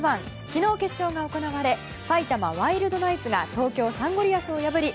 昨日、決勝が行われ埼玉ワイルドナイツが東京サンゴリアスを破り